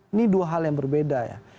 ini dua hal yang berbeda ya